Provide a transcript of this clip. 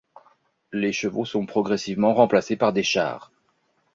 Les chevaux sont progressivement remplacés par des chars.